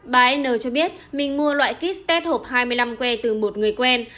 bà n cho biết mình mua loại kit test hộp hai mươi năm que từ một người quen